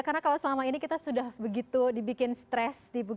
karena kalau selama ini kita sudah begitu dibikin stres